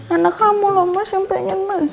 anak kamu loh mas yang pengen mas